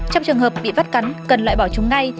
trong trường hợp bị vắt cắn cần loại bỏ chúng ngay